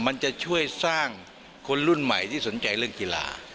มันจะช่วยสร้างคนรุ่นใหม่ที่สนใจเรื่องกีฬา